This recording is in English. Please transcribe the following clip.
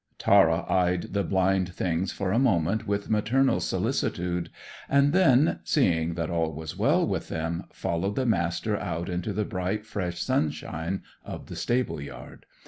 Tara eyed the blind things for a moment with maternal solicitude, and then, seeing that all was well with them, followed the Master out into the bright, fresh sunshine of the stable yard.